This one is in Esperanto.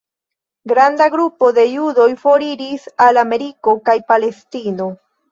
Granda grupo de judoj foriris al Ameriko kaj Palestino.